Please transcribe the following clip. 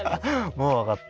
もうわかった。